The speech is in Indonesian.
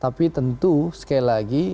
tapi tentu sekali lagi